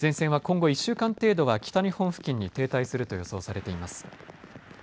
前線は今後１週間程度は北日本付近に停滞すると予想されています。